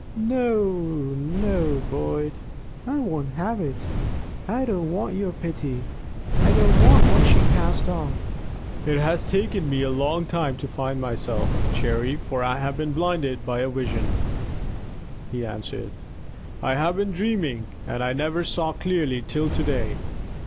No, no, Boyd! I won't have it. I don't want your pity I don't want what she cast off." "It has taken me a long time to find myself, Cherry, for I have been blinded by a vision," he answered. "I have been dreaming, and I never saw clearly till to day.